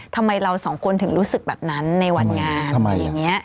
ทำไมเราสองคนถึงรู้สึกแบบนั้นในวันงาน